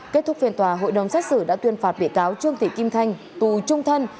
kết thúc phiên tòa hội đồng xét xử đã tuyên phạt bị cáo trương thị kim thanh tù trung thân